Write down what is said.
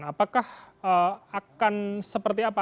apakah akan seperti apa